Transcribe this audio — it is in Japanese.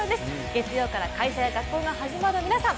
月曜から会社や学校が始まる皆さん